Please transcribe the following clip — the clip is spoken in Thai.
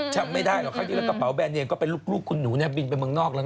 จำไม่ได้หรอกคราวนี้แล้วกระเป๋าแบรนเนียมก็เป็นลูกคุณหนูเนี่ยบินไปเมืองนอกแล้วนะ